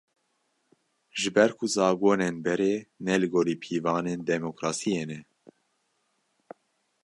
Ji ber ku zagonên berê, ne li gorî pîvanên demokrasiyê ne